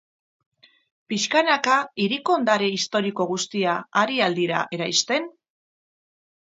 Pixkanaka, hiriko ondare historiko guztia ari al dira eraisten?